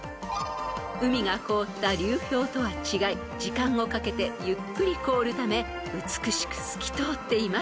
［海が凍った流氷とは違い時間をかけてゆっくり凍るため美しく透き通っています］